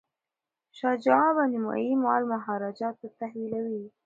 شاه شجاع به نیمایي مال مهاراجا ته تحویلوي.